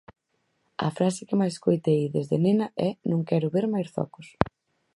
A frase que máis escoitei desde nena é "non quero ver máis zocos".